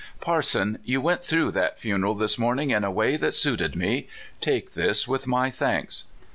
"Parson, you went through that funeral this morning in a way that suited me. Take this, with my thanks."